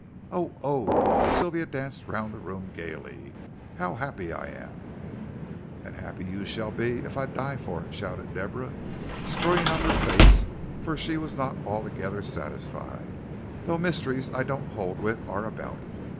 Oh oh!" Sylvia danced round the room gaily, "how happy I am." "And happy you shall be if I die for it," shouted Deborah, screwing up her face, for she was not altogether satisfied, "though mysteries I don't hold with, are about.